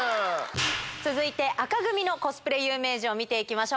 続いて、紅組のコスプレ有名人を見ていきましょう。